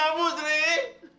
kamu di mana sri